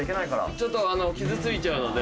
ちょっと傷ついちゃうので。